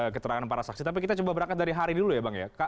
keterangan para saksi tapi kita coba berangkat dari hari dulu ya bang ya